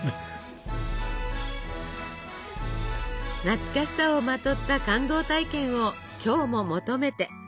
懐かしさをまとった感動体験を今日も求めて。